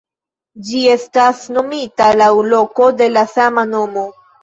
Ĝi estas nomita laŭ loko de la sama nomo.